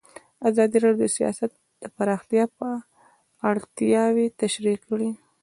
ازادي راډیو د سیاست د پراختیا اړتیاوې تشریح کړي.